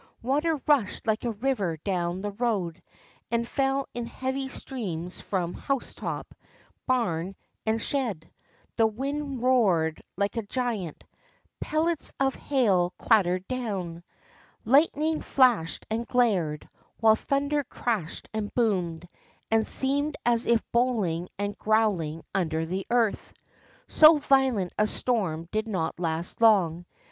Water rushed like a river down the road, and fell in heavy streams from housetop, barn, and shed. The wind roared like a giant. Pellets of hail 102 THE ROCK FROG clattered down. Lightning flashed and glared, while thunder crashed and boomed, and seemed as if bowling and growling under the earth. So violent a storm did not last long.